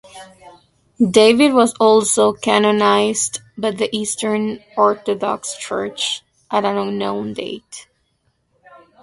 David was also canonized by the Eastern Orthodox Church at an unknown date.